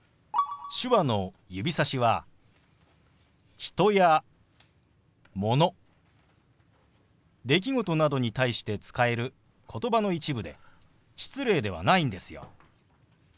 手話の指さしは人やもの出来事などに対して使える言葉の一部で失礼ではないんですよ。